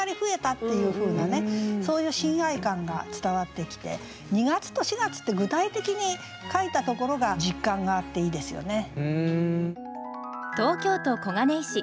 そういう親愛感が伝わってきて「二月と四月」って具体的に書いたところが実感があっていいですよね。